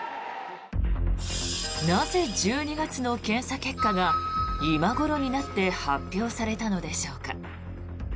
なぜ１２月の検査結果が今ごろになって発表されたのでしょうか。